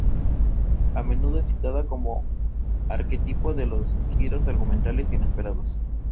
Miley Cyrus versionó la canción "Four Walls" en su segundo álbum de estudio "Breakout".